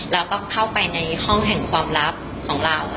แล้วก็เข้าไปในห้องแห่งความลับของเรา